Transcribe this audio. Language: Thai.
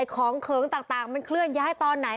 ของเขิงต่างมันเคลื่อนย้ายตอนไหน